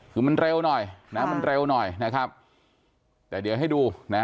คือมันเร็วหน่อยนะมันเร็วหน่อยนะครับแต่เดี๋ยวให้ดูนะ